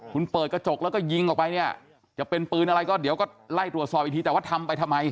คุณเปิดกระจกแล้วก็ยิงออกไปเนี่ยจะเป็นปืนอะไรก็เดี๋ยวก็ไล่ตรวจสอบอีกทีแต่ว่าทำไปทำไม